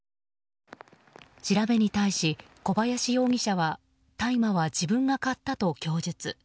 調べに対し、小林容疑者は大麻は自分が買ったと供述。